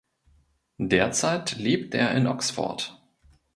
Derzeit lebt er in Oxford.